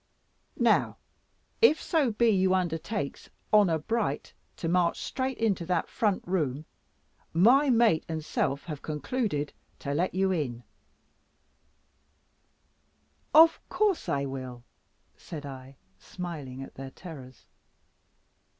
Now if so be you undertakes, honour bright, to march straight into that front room, my mate and self have concluded to let you in." "Of course I will," said I, smiling at their terrors.